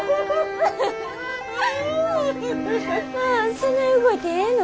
そない動いてええの？